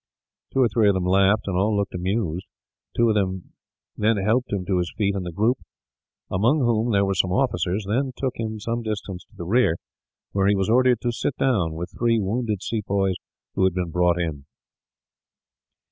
Two or three of them laughed, and all looked amused. Two of them then helped him to his feet; and the group, among whom there were some officers, then took him some distance to the rear, where he was ordered to sit down with three wounded sepoys who had been brought in.